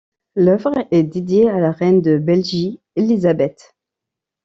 L'œuvre est dédiée à la reine de Belgie Elisabeth.